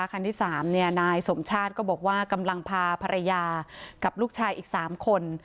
คันที่๓นายสมชาติก็บอกว่ากำลังพาภรรยากับลูกชายอีก๓คน